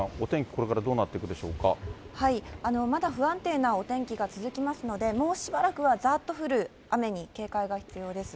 これからどうなっていくでまだ不安定なお天気が続きますので、もうしばらくはざーっと降る雨に警戒が必要です。